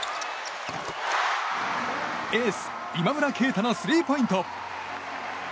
エース今村圭太のスリーポイント。